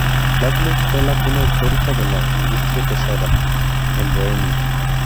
Kladno fue la cuna histórica de la industria pesada, en Bohemia.